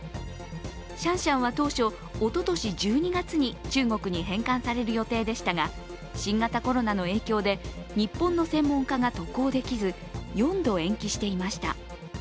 シャンシャンは当初、おととし１２月に中国に返還される予定でしたが、新型コロナの影響で日本の専門家が渡航できず４度、延期していました。